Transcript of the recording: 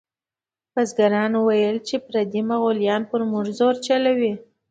بزګرانو ویل چې پردي مغولیان پر موږ زور چلوي.